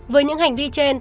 với những hành vi trên